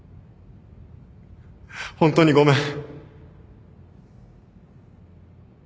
ホントにごめん。